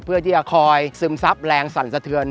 เพื่อที่จะคอยซึมซับแรงสั่นสะเทือน